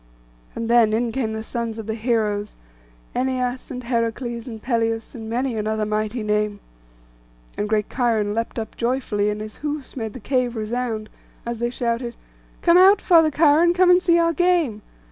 And then in came the sons of the heroes, Æneas, and Heracles, and Peleus, and many another mighty name. And great Cheiron leapt up joyfully, and his hoofs made the cave resound, as they shouted, 'Come out, Father Cheiron; come out and see our game.